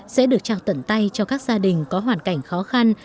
sẽ được trao tận tay cho các gia đình có hoàn cảnh khó khăn